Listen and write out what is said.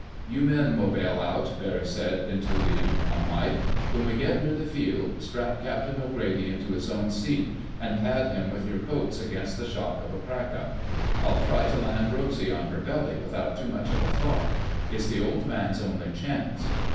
"You men will bail out," Barry said into the intercom mike. "When we get near the field, strap Captain O'Grady into his own seat, and pad him with your coats against the shock of a crackup. I'll try to land Rosy on her belly without too much of a flop. It's the Old Man's only chance."